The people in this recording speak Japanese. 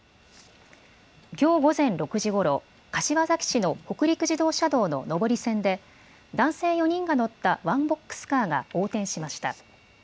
きょう午前６時ごろ、柏崎市の北陸自動車道の上り線で男性４人が乗ったワンボックスカーが横転しました。